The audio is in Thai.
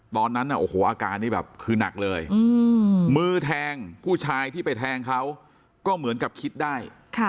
ตอนนั้นโอ้โหอาการนี้แบบคือหนักเลยมือแทงผู้ชายที่ไปแทงเขาก็เหมือนกับคิดได้